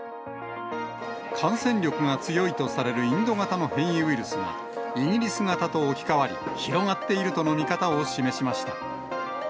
感染力が強いとされるインド型の変異ウイルスがイギリス型と置き換わり、広がっているとの見方を示しました。